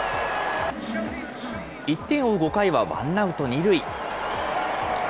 １点を追う５回はワンアウト２塁。